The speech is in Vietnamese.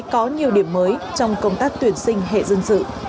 có nhiều điểm mới trong công tác tuyển sinh hệ dân sự